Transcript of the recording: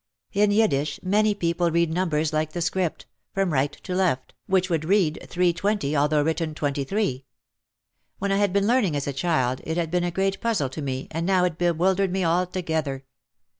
In Yiddish many people read numbers like the script, from right to left, which would read three twenty although written (23). When I had been learning as a child it had been a great puzzle to me and now it bewildered me altogether.